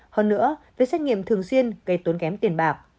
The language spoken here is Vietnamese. hơn nữa việc xét nghiệm thường xuyên gây tốn kém tiền bạc